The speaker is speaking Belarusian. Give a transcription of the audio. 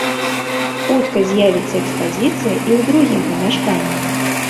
Хутка з'явіцца экспазіцыя і ў другім памяшканні.